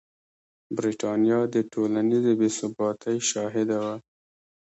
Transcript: برېټانیا د ټولنیزې بې ثباتۍ شاهده وه.